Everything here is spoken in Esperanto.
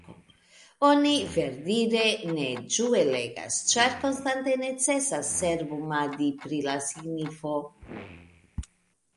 Oni, verdire, ne ĝue legas, ĉar konstante necesas cerbumadi pri la signifo.